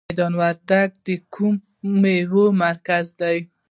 میدان وردګ د کومې میوې مرکز دی؟